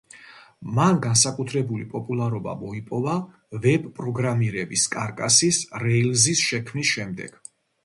მან განსაკუთრებული პოპულარობა მოიპოვა ვებ-პროგრამირების კარკასის–„რეილზის“–შექმნის შემდეგ.